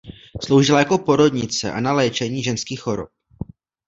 Sloužila jako porodnice a na léčení ženských chorob.